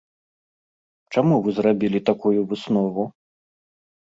Чаму вы зрабілі такую выснову?